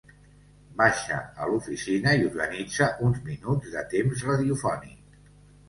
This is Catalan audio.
Baixa a l'oficina i organitza uns minuts de temps radiofònic.